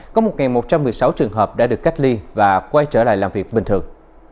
có một một trăm một mươi sáu trường hợp đã được cách ly và quay trở lại làm việc bình thường